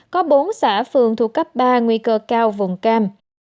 có bốn xã phường thuộc cấp ba nguy cơ cao vùng cam